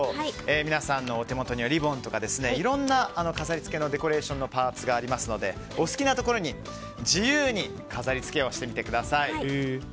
皆さんのお手元にあるリボンとかいろいろな飾りつけのデコレーションのパーツがありますのでお好きなところに自由に飾り付けをしてみてください。